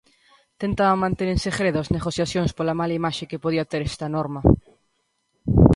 Tentaban manter en segredo as negociacións pola mala imaxe que podía ter esta norma.